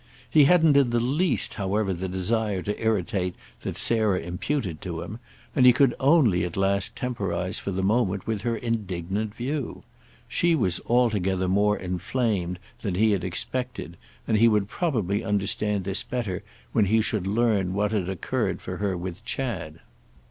He hadn't in the least however the desire to irritate that Sarah imputed to him, and he could only at last temporise, for the moment, with her indignant view. She was altogether more inflamed than he had expected, and he would probably understand this better when he should learn what had occurred for her with Chad.